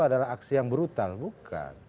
adalah aksi yang brutal bukan